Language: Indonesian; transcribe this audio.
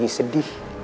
abi lagi sedih